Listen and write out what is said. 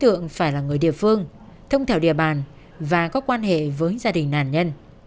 tượng phải là người địa phương thông theo địa bàn và có quan hệ với gia đình nạn nhân